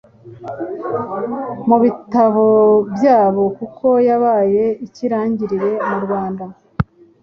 mu bitabo byabo kuko yabaye ikirangirire mu Rwanda.